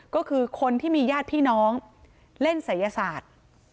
ก็คือคนที่มีญาติพี่น้องเล่นศัยศาสตร์